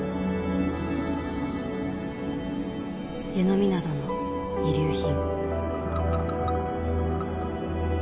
湯飲みなどの遺留品。